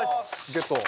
ゲット。